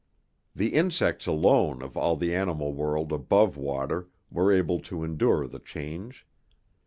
The insects alone of all the animal world above water, were able to endure the change.